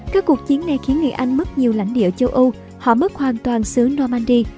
các cuộc chiến này khiến người anh mất nhiều lãnh địa ở châu âu họ mất hoàn toàn xứ normandy